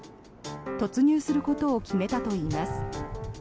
突入することを決めたといいます。